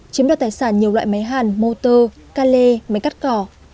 chiếm đoạt tài sản nhiều loại máy hàn motor cale máy cắt cỏ